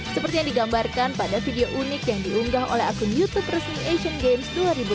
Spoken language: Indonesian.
seperti yang digambarkan pada video unik yang diunggah oleh akun youtube resmi asian games dua ribu delapan belas